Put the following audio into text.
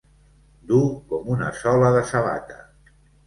Dur com una sola de sabata.